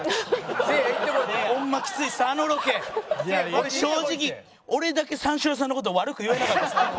俺正直俺だけ三四郎さんの事悪く言えなかったです。